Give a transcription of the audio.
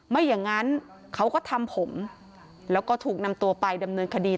ไม่อย่างนั้นเขาก็ทำผมแล้วก็ถูกนำตัวไปดำเนินคดี